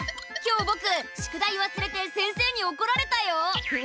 今日ぼく宿題わすれて先生におこられたよ。